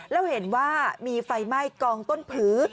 แล้วเห็นว่ามีไฟไหม้กองต้นผือ